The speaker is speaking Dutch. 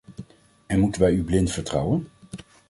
En moeten wij u blind vertrouwen?